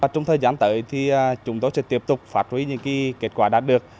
trong thời gian tới thì chúng tôi sẽ tiếp tục phát huy những kết quả đạt được